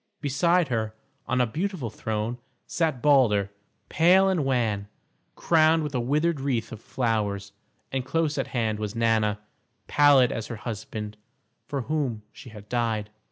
Beside her, on a beautiful throne, sat Balder, pale and wan, crowned with a withered wreath of flowers, and close at hand was Nanna, pallid as her husband, for whom she had died.